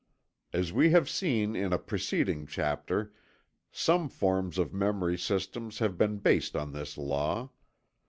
As we have seen in a preceding chapter, some forms of memory systems have been based on this law.